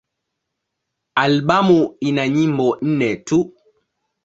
Albamu ina nyimbo nne tu.